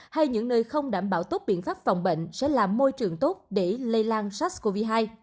hay những nơi không đảm bảo tốt biện pháp phòng bệnh sẽ làm môi trường tốt để lây lan sars cov hai